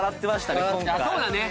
そうだね！